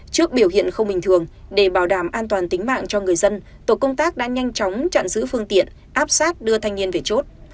trước biểu hiện không bình thường để bảo đảm an toàn tính mạng cho người dân tổ công tác đã nhanh chóng chặn giữ phương tiện áp sát đưa thanh niên về chốt